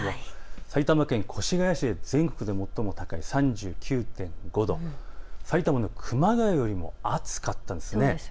埼玉県越谷市で全国で最も高い３９．５度埼玉の熊谷よりも暑かったんですね。